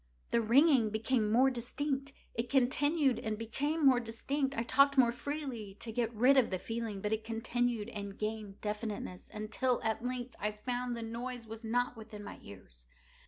The ringing became more distinct:—it continued and became more distinct: I talked more freely to get rid of the feeling: but it continued and gained definiteness—until, at length, I found that the noise was not within my ears.